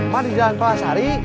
ma di jalan palasari